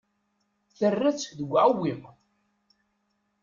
Terra-tt deg uɛewwiq.